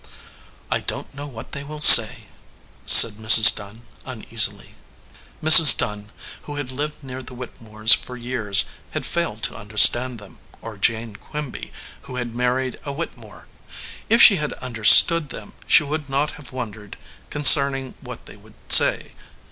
"I don t know what they will say," said Mrs. Dunn, uneasily. Mrs. Dunn, who had lived near the Whittemores 194 SOUR SWEETINGS for years, had failed to understand them, or Jane Quimby, who had married a Whittemore. If she had understood them, she would not have won dered concerning what they would say.